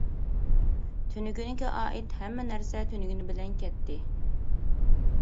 تۈنۈگۈنگە ئائىت ھەممە نەرسە تۈنۈگۈن بىلەن كەتتى.